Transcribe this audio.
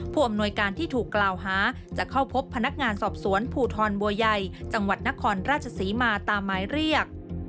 อำนวยการที่ถูกกล่าวหาจะเข้าพบพนักงานสอบสวนภูทรบัวใหญ่จังหวัดนครราชศรีมาตามหมายเรียก